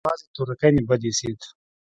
يوازې تورکى مې بد اېسېد.